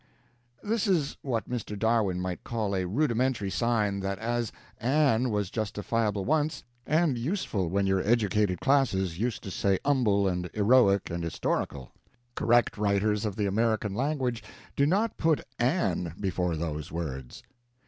This is what Mr. Darwin might call a 'rudimentary' sign that as an was justifiable once, and useful when your educated classes used to say 'umble, and 'eroic, and 'istorical. Correct writers of the American language do not put an before those words."